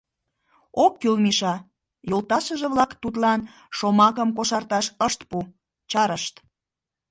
— Ок кӱл, Миша! — йолташыже-влак тудлан шомакым кошарташ ышт пу, чарышт.